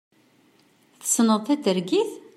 Tesneḍ tatergit?